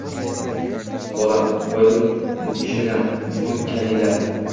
Bola: voy buni bo‘kishini...Buvim kanila?